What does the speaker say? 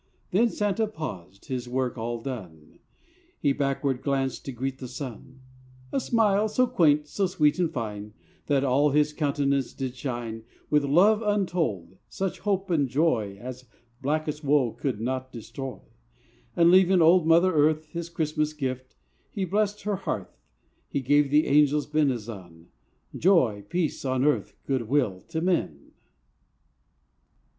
Then Santa paused, his work all done, 35 Preludes of Poetry and Music He backward glanced to greet the sun— A smile so quaint, so sweet and fine That all his countenance did shine With love untold, such hope and joy As blackest woe could not destroy; And leaving with Old Mother Earth His Christmas gift, he blessed her hearth; He gave the angels' benizon: "Joy, peace on earth, good will to men!"